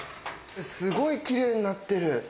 すごいきれいになってる。